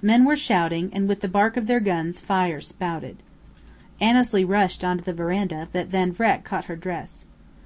Men were shouting, and with the bark of their guns fire spouted. Annesley rushed on to the veranda, but Van Vreck caught her dress.